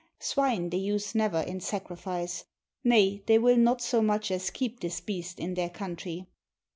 Swine they use never in sacrifice; nay, they will not so much as keep this beast in their country.